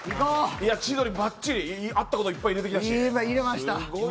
千鳥ばっちりあったこといっぱい入れてきたし。